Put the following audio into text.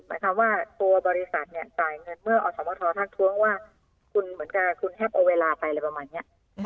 หมายความว่าตัวบริษัทเนี่ยจ่ายเงินเมื่ออสมทรทักท้วงว่าคุณเหมือนกับคุณแฮปเอาเวลาไปอะไรประมาณนี้